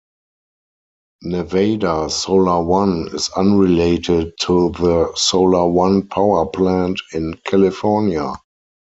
Nevada Solar One is unrelated to the Solar One power plant in California.